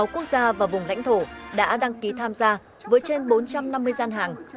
một mươi sáu quốc gia và vùng lãnh thổ đã đăng ký tham gia với trên bốn trăm năm mươi gian hạng